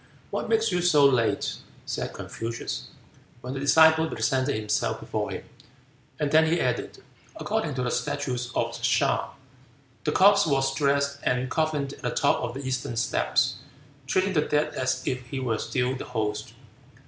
"What makes you so late?" said Confucius, when the disciple presented himself before him; and then he added, "According to the statutes of Hea, the corpse was dressed and coffined at the top of the eastern steps, treating the dead as if he were still the host.